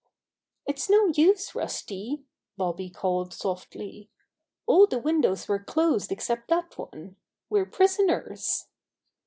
"It's no use. Rusty," Bobby called softly. "All the windows were closed except that one. We're prisoners."